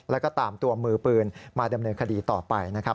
แล้วก็ตามตัวมือปืนมาดำเนินคดีต่อไปนะครับ